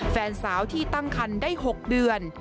แฟนสาวที่ตั้งคันได้๖เดือน